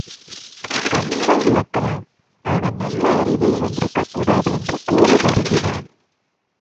கண்கள் இழக்கலாம் ஆனால் நல்ல அறிவை இழந்திருக்கக் கூடாது என்று கூறி வருந்தினான்.